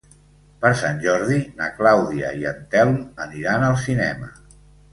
Per Sant Jordi na Clàudia i en Telm aniran al cinema.